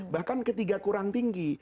bahkan ketika kurang tinggi